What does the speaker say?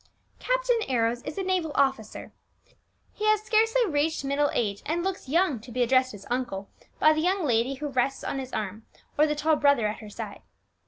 Captain Arrows is a naval officer. He has scarcely reached middle age, and looks young to be addressed as "uncle" by the young lady who rests on his arm, or the tall brother at her side.